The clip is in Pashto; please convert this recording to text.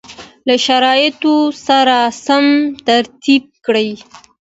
له شرایطو سره سم ترتیب کړي